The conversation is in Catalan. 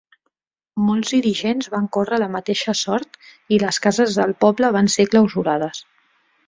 Molts dirigents van córrer la mateixa sort i les Cases del Poble van ser clausurades.